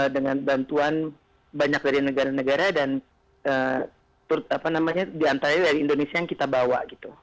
dengan bantuan banyak dari negara negara dan di antara dari indonesia yang kita bawa